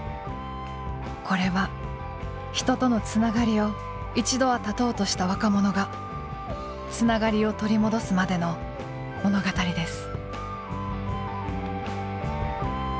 これは人とのつながりを一度は絶とうとした若者がつながりを取り戻すまでの物語です。